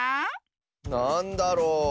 なんだろう？